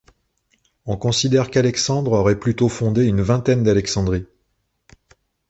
On considère qu'Alexandre aurait plutôt fondé une vingtaine d'Alexandries.